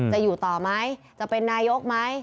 จะอยู่ต่อไหมจะเป็นนายกไหม